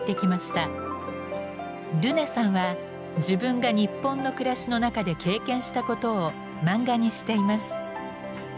ルネさんは自分が日本の暮らしの中で経験したことを漫画にしています。